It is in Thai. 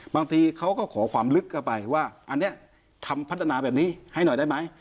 บางทีเขาก็ขอความลึกเข้าไปว่าอันนี้ทำพัฒนาแบบนี้ให้หน่อยได้ไหม